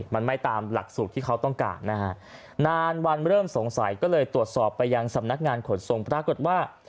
มันไม่ตามหลักสูตรที่เขาต้องการนะฮะนานวันเริ่มสงสัยก็เลยตรวจสอบไปยังสำนักงานขนส่งปรากฏว่า